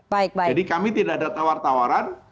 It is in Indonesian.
jadi kami tidak ada tawar tawaran